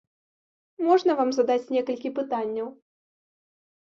Можна вам задаць некалькі пытанняў?